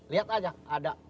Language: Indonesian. lihat aja ada